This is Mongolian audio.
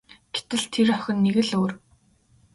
Гэтэл тэр охин нэг л өөр.